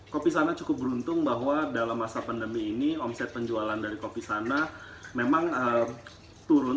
kopi sana cukup beruntung bahwa dalam masa pandemi ini omset penjualan dari kopi sana memang turun